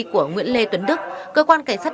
của nguyễn lê tuấn đức cơ quan cảnh sát